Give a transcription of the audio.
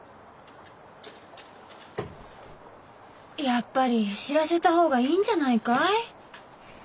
やっぱり知らせた方がいいんじゃないかい？